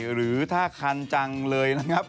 หรือถ้าคันจังครับ